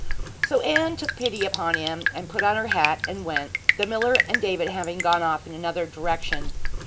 So Anne took pity upon him, and put on her hat and went, the miller and David having gone off in another direction.